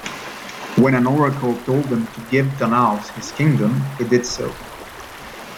When an oracle told him to give Danaus his kingdom, he did so.